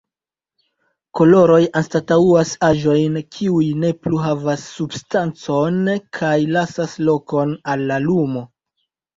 Koloroj anstataŭas aĵojn, kiuj ne plu havas substancon kaj lasas lokon al la lumo.